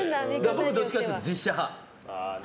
僕、どっちかというと実写派。